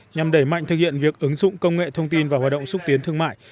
nhằm đẩy mạnh thực hiện việc ứng dụng công nghệ thông tin và hoạt động xúc tiến thương mại